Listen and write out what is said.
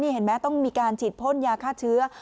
เห็นไหมต้องมีการฉีดพ่นยาฆ่าเชื้อ